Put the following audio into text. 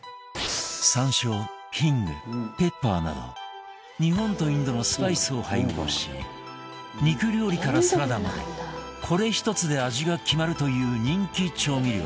山椒ヒングペッパーなど日本とインドのスパイスを配合し肉料理からサラダまでこれ１つで味が決まるという人気調味料